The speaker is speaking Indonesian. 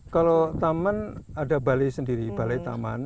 kalau taman ada balai sendiri balai taman